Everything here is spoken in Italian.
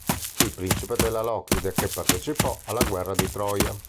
Fu un principe della Locride che partecipò alla guerra di Troia.